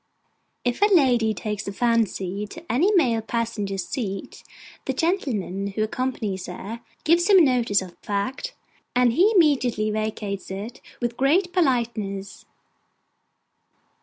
If a lady take a fancy to any male passenger's seat, the gentleman who accompanies her gives him notice of the fact, and he immediately vacates it with great politeness.